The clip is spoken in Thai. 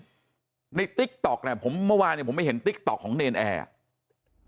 ในติ๊กต๊อกเนี่ยผมเมื่อวานเนี่ยผมไม่เห็นติ๊กต๊อกของเนรนแอร์อ่ะ